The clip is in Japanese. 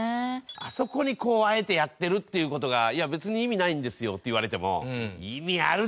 あそこにあえてやってるっていう事がいや別に意味ないんですよって言われても。